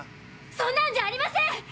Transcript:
そんなんじゃありません！